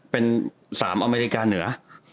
เป็น๓อเมริกาเหนือ